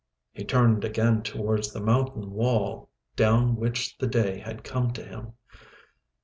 He turned again towards the mountain wall down which the day had come to him.